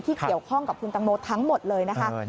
เกี่ยวข้องกับคุณตังโมทั้งหมดเลยนะคะ